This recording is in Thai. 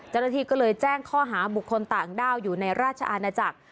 จริงก็เลยแจ้งข้อหาบุคคลต่างด้าวอยู่ในราชอาณาจักร